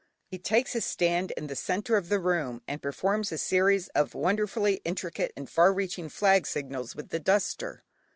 He takes his stand in the centre of the room, and performs a series of wonderfully intricate and far reaching flag signals with the duster.